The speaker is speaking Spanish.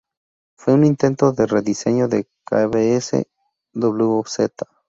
Fue un intento de rediseño del Kbs wz.